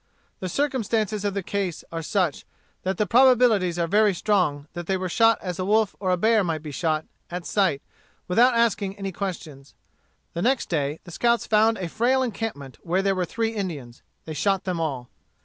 The circumstances of the case are such, that the probabilities are very strong that they were shot as a wolf or a bear would be shot, at sight, without asking any questions. The next day the scouts found a frail encampment where there were three Indians. They shot them all.